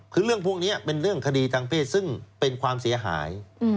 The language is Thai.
คือเรื่องพวกนี้เป็นเรื่องคดีทางเพศซึ่งเป็นความเสียหาย